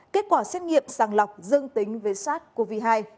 kết quả xét nghiệm sàng lọc dương tính với sars cov hai